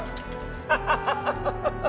ハハハハハ！